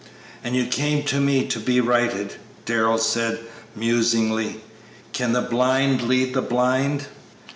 "And you came to me to be righted," Darrell said, musingly; "'Can the blind lead the blind?'"